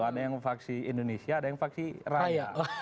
ada yang faksi indonesia ada yang faksi raya